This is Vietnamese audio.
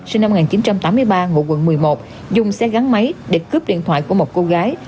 sinh năm một nghìn chín trăm tám mươi ba ngụ quận một mươi một dùng xe gắn máy để cướp điện thoại của một cô gái